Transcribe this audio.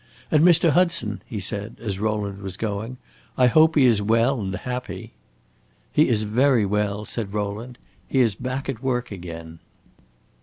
"And Mr. Hudson?" he said, as Rowland was going; "I hope he is well and happy." "He is very well," said Rowland. "He is back at work again."